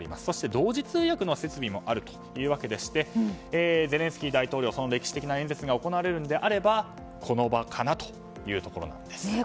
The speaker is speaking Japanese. そして同時通訳の設備もあるということでゼレンスキー大統領の歴史的な演説が行われるのであればこの場かなというところです。